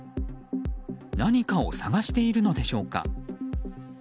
何かを探しているのでしょうか。